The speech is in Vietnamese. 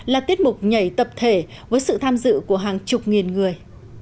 là tiết mục nhảy tập thể với sự tham dự của hàng chục nghìn người